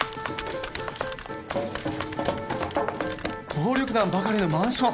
暴力団ばかりのマンション！？